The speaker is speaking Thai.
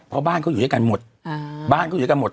เพราะบ้านเขาอยู่ด้วยกันหมด